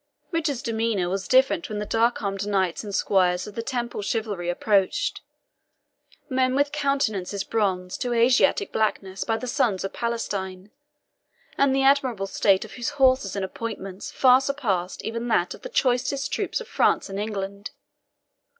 Richard's demeanour was different when the dark armed knights and squires of the Temple chivalry approached men with countenances bronzed to Asiatic blackness by the suns of Palestine, and the admirable state of whose horses and appointments far surpassed even that of the choicest troops of France and England.